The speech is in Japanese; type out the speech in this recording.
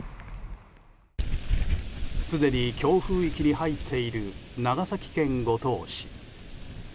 すでに強風域に入っている長崎県五島市。